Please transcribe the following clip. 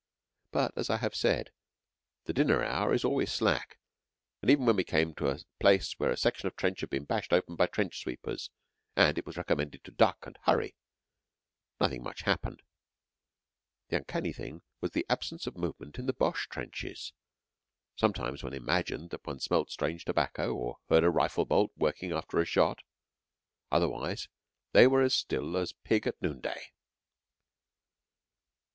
But, as I have said, the dinner hour is always slack, and even when we came to a place where a section of trench had been bashed open by trench sweepers, and it was recommended to duck and hurry, nothing much happened. The uncanny thing was the absence of movement in the Boche trenches. Sometimes one imagined that one smelt strange tobacco, or heard a rifle bolt working after a shot. Otherwise they were as still as pig at noonday.